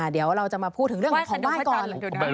เดี๋ยวเราจะมาพูดถึงเรื่องของบ้านก่อน